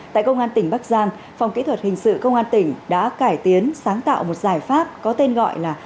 tại công an tỉnh bắc giang phòng kỹ thuật hình sự công an tỉnh đã cải tiến sáng tạo một giải pháp có tên gọi là